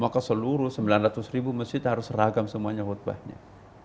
maka seluruh sembilan ratus ribu masjid harus ragam semuanya khutbahnya